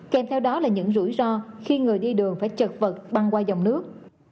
kèm theo đó là những rủi ro khi người đi đường phải chật vật băng qua dòng nước